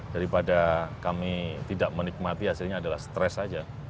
daripada kami tidak menikmati hasilnya adalah stres saja